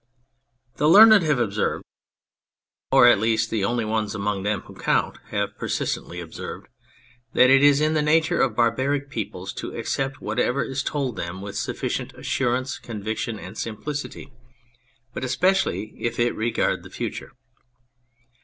The learned have observed (or at least the only 63 On Anything ones among them who count have persistently observed) that it is in the nature of barbaric peoples to accept whatever is told them with sufficient assurance, conviction and simplicity, but especially if it regard the future.